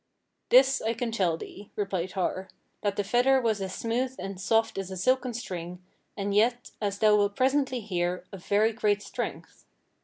"This can I tell thee," replied Har, "that the fetter was as smooth and soft as a silken string, and yet, as thou wilt presently hear, of very great strength.